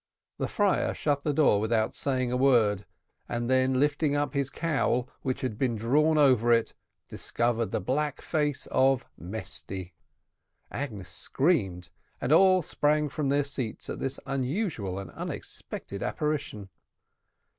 The friar shut the door without saying a word, and then lifting up his cowl, which had been drawn over it, discovered the black face of Mesty. Agnes screamed, and all sprang from their seats at this unusual and unexpected apparition.